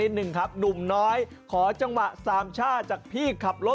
นี่คือขอจังหวะสามช่าจากพี่รถสิบล้อนี่หรอคะ